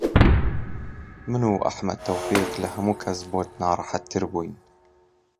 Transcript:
من و ئەحمەد تەوفیق لە هەموو کەس بۆت ناڕەحەتتر بووین